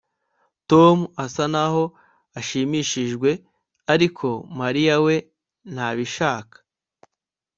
Tom asa naho ashimishijwe ariko Mariya we ntabishaka